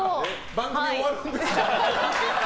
番組終わるんですか？